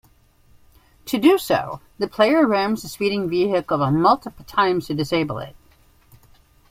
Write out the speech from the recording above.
To do so the player rams the speeding vehicle multiple times to disable it.